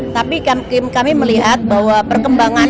tapi kami melihat bahwa perkembangan